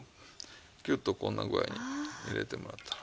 キュッとこんな具合に入れてもらったら。